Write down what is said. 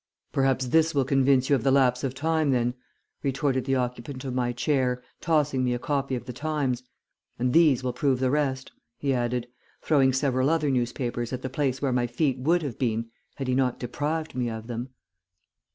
"'Perhaps this will convince you of the lapse of time, then,' retorted the occupant of my chair, tossing me a copy of the Times, 'and these will prove the rest,' he added, throwing several other newspapers at the place where my feet would have been had he not deprived me of them.